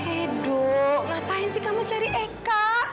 aduh ngapain sih kamu cari eka